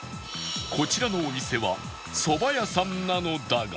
こちらのお店はそば屋さんなのだが